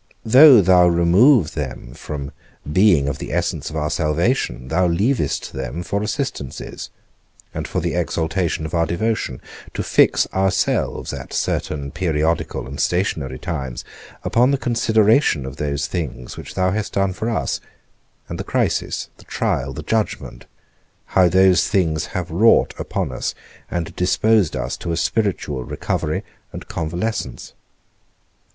Though thou remove them from being of the essence of our salvation, thou leavest them for assistances, and for the exaltation of our devotion, to fix ourselves, at certain periodical and stationary times, upon the consideration of those things which thou hast done for us, and the crisis, the trial, the judgment, how those things have wrought upon us and disposed us to a spiritual recovery and convalescence.